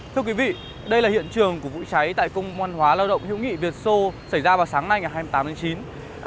thưa quý vị đây là hiện trường của vụ cháy tại công văn hóa lao động hiệu nghị việt sô xảy ra vào sáng nay ngày hai mươi tám tháng chín